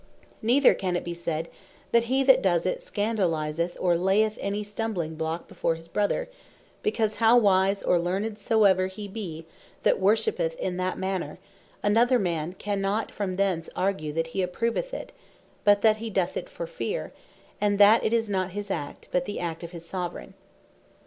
Neither can it bee said, that hee that does it, scandalizeth, or layeth any stumbling block before his Brother; because how wise, or learned soever he be that worshippeth in that manner, another man cannot from thence argue, that he approveth it; but that he doth it for fear; and that it is not his act, but the act of the Soveraign.